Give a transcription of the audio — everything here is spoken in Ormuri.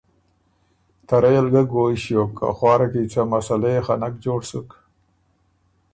ته رئ ال ګۀ ګویٛ ݭیوک که خواره کی ”څه مسلۀ يې خه نک جوړ سُک“